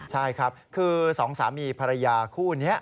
ใช่ครับคือสองสามีภรรยาคู่นี้